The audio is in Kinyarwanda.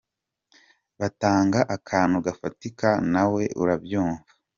Batanga akantu gafatika na we urabyumva.